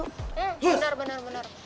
hmm benar benar benar